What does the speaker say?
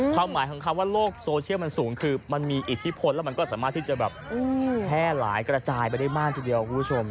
ความหมายของคำว่าโลกโซเชียลมันสูงคือมันมีอิทธิพลแล้วมันก็สามารถที่จะแบบแพร่หลายกระจายไปได้มากทีเดียวคุณผู้ชม